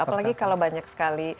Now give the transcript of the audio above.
apalagi kalau banyak sekali